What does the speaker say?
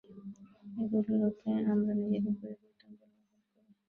এগুলিকে আমরা নিজেদের পরিবর্তন বলিয়া ভুল করি।